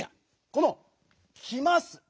この「きます」。